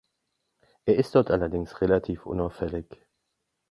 Er ist dort allerdings relativ unauffällig.